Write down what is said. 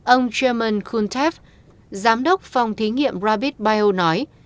ông chairman kuntev giám đốc phòng thí nghiệm rapidbio nói